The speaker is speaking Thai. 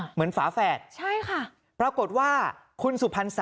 เฮ้ยคุณ